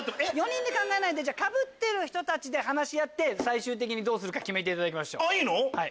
４人で考えないでかぶってる人たちで話し合って最終的にどうするか決めていただきましょう。